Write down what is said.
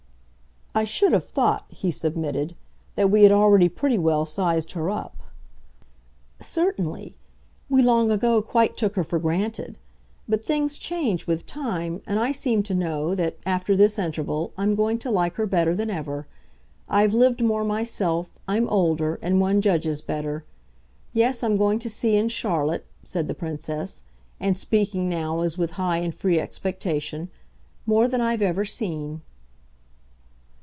"I should have thought," he submitted, "that we had already pretty well sized her up." "Certainly we long ago quite took her for granted. But things change, with time, and I seem to know that, after this interval, I'm going to like her better than ever. I've lived more myself, I'm older, and one judges better. Yes, I'm going to see in Charlotte," said the Princess and speaking now as with high and free expectation "more than I've ever seen."